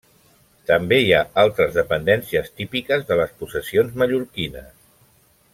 També hi ha altres dependències típiques de les possessions mallorquines.